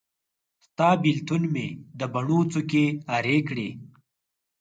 ستا بیلتون مې د بڼو څوکي ارې کړې